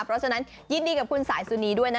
เพราะฉะนั้นยินดีกับคุณสายสุนีด้วยนะ